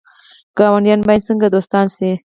ګاونډیان باید څنګه دوستان شي؟